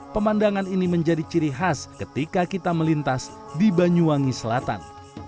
pemandangan ini menjadi ciri khas ketika kita melintas di banyuwangi selatan